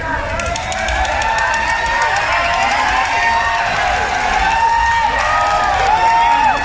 สวัสดีครับ